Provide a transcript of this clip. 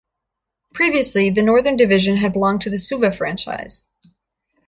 Previously the Northern Division had belonged to the Suva franchise.